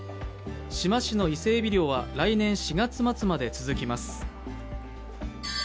志摩市の伊勢えび漁は来年４月末まで続きます。